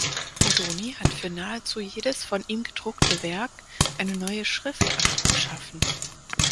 Bodoni hat für nahezu jedes von ihm gedruckte Werk eine neue Schriftart geschaffen.